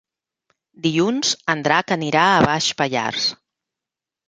Dilluns en Drac anirà a Baix Pallars.